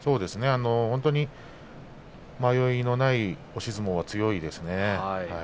本当に迷いのない押し相撲が強いですね。